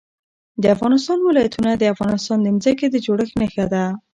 د افغانستان ولايتونه د افغانستان د ځمکې د جوړښت نښه ده.